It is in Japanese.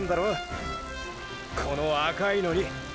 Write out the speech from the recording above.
この赤いのに！！